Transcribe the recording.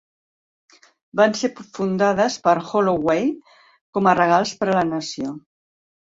Van ser fundades per Holloway com a "regals per a la nació".